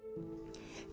bisa buat apa yang lain